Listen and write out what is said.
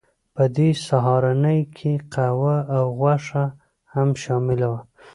په دې سهارنۍ کې قهوه او غوښه هم شامله وه